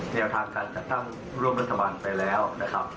แนวทางการจัดตั้งร่วมรัฐบาลไปแล้วนะครับ